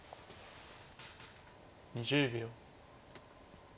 ２０秒。